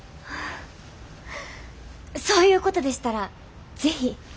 そういうことでしたら是非。